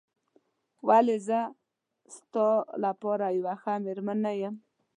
ولې زه ستا لپاره یوه ښه مېرمن نه یم؟